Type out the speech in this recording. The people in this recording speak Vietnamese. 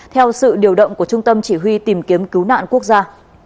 theo sự điều động của trung tâm chỉ huy tìm kiếm cứu nạn quốc gia